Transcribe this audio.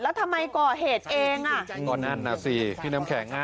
แล้วทำไมก่อเหตุเอง